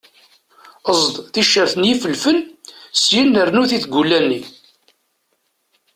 Eẓd ticcert n yifelfel syen rnu-t i tgulla-nni.